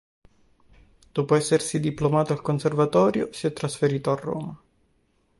Dopo essersi diplomato al conservatorio, si è trasferito a Roma.